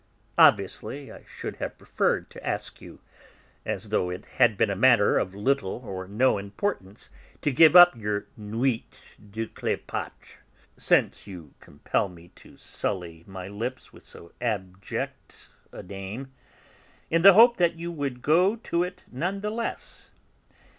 Obviously, I should have preferred to ask you, as though it had been a matter of little or no importance, to give up your Nuit de Cléopâtre (since you compel me to sully my lips with so abject a name), in the hope that you would go to it none the less.